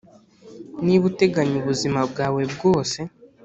niba uteganya ubuzima bwawe bwose